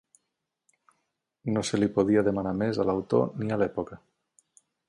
No se li podia demanar més a l'autor ni a l'època.